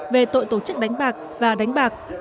về tội tổ chức đánh bạc và đánh bạc